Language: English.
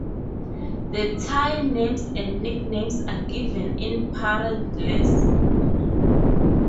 The Thai names and nicknames are given in parentheses.